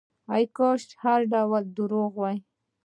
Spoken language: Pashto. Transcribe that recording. کاشکې دا هرڅه درواغ واى.